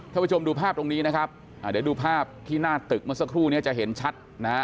ผู้ชมดูภาพตรงนี้นะครับอ่าเดี๋ยวดูภาพที่หน้าตึกเมื่อสักครู่นี้จะเห็นชัดนะฮะ